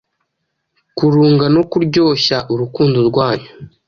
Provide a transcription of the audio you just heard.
kurunga no kuryoshya urukundo rwanyu